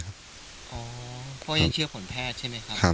เพราะยังเชื่อผลแพทย์ใช่ไหมครับ